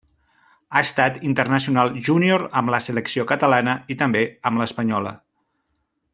Ha estat internacional júnior amb la selecció Catalana i també amb l'Espanyola.